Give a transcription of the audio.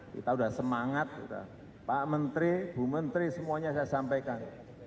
kita sudah semangat pak menteri bu menteri semuanya saya sampaikan